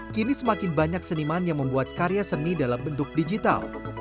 kini semakin banyak seniman yang membuat karya seni dalam bentuk digital